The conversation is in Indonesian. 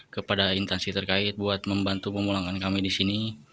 kepada intansi terkait buat membantu pemulangan kami disini